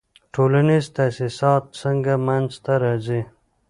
ټولنیز تاسیسات څنګه منځ ته راځي؟